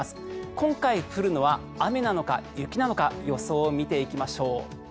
今回降るのは雨なのか雪なのか予想を見ていきましょう。